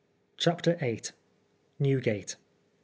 CHAPTER VIII. NEWGATE.